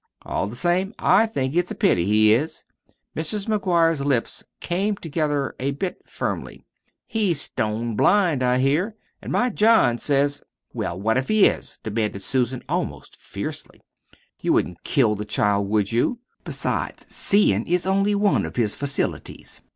"All the same, I think it's a pity he is." Mrs. McGuire's lips came together a bit firmly. "He's stone blind, I hear, an' my John says " "Well, what if he is?" demanded Susan, almost fiercely. "You wouldn't kill the child, would you? Besides SEEIN' is only one of his facilities.